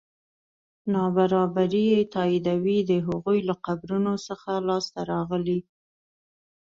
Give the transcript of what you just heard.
نابرابري تاییدوي د هغوی له قبرونو څخه لاسته راغلي.